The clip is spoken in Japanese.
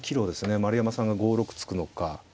丸山さんが５六突くのか。